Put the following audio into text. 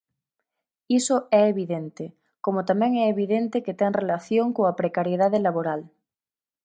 Iso é evidente, como tamén é evidente que ten relación coa precariedade laboral.